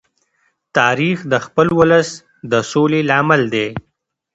تاریخ د خپل ولس د سولې لامل دی.